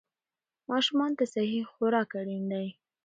ماشومان ته صحي خوراک اړین دی.